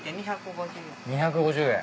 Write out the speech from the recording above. ２５０円。